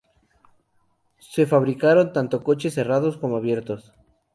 Se fabricaron tanto coches cerrados como abiertos.